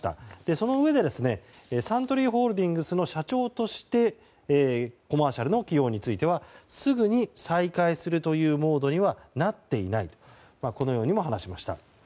そのうえでサントリーホールディングスの社長としてコマーシャルの起用についてはすぐに再開するというモードにはなっていないとこのようにも話しました。